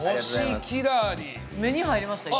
目に入りました一番。